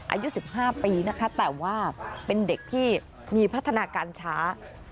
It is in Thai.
อายุ๑๕ปีนะคะแต่ว่าเป็นเด็กที่มีพัฒนาการช้า